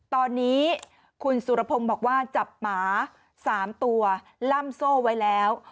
ตอนนี้คุณสุรพงศ์บอกว่าจับหมา๓ตัวล่ำโซ่ไว้แล้ว